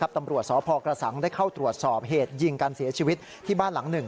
ตำรวจสพกระสังได้เข้าตรวจสอบเหตุยิงการเสียชีวิตที่บ้านหลังหนึ่ง